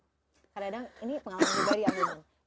kadang kadang ini pengalaman juga di akhir akhir